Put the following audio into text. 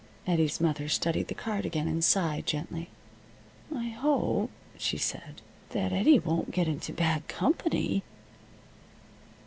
Eddie's mother studied the card again, and sighed gently. "I hope," she said, "that Eddie won't get into bad company."